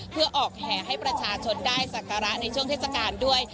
เพื่อออกแห่ให้ประชาชนได้สักการะในช่วงเทศกาลด้วย